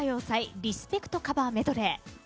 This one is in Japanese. リスペクトカバーメドレー。